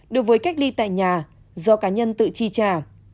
đối với cách ly tại nhà do cá nhân tự chi trả